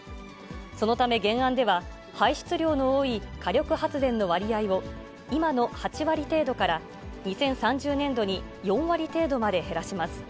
そのため原案では、排出量の多い火力発電の割合を今の８割程度から、２０３０年度に４割程度まで減らします。